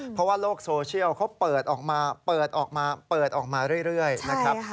เพราะว่าโลกโซเชียลเขาเปิดออกมาเปิดออกมาเปิดออกมาเรื่อยนะครับ